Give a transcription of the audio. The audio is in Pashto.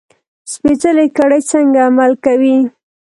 سپېڅلې کړۍ څنګه عمل کوي.